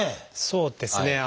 そうですね。